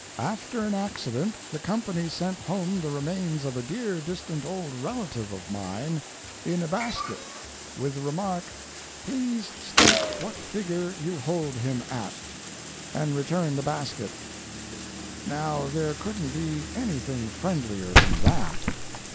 After an accident the company sent home the remains of a dear distant old relative of mine in a basket, with the remark, "Please state what figure you hold him at—and return the basket." Now there couldn't be anything friendlier than that.